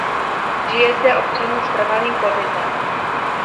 Žije zde občanů s trvalým pobytem.